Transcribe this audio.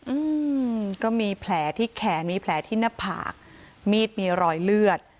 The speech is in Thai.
อืมก็มีแผลที่แขนมีแผลที่หน้าผากมีดมีรอยเลือด